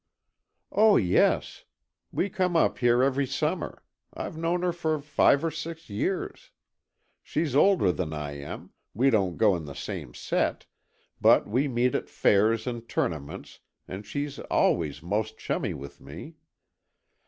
"Oh, yes. We come up here every summer, I've known her for five or six years. She's older than I am, we don't go in the same set, but we meet at fairs and tournaments and she's always most chummy with me.